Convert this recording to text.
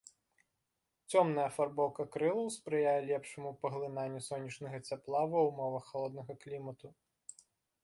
Цёмная афарбоўка крылаў спрыяе лепшаму паглынанню сонечнага цяпла ва ўмовах халоднага клімату.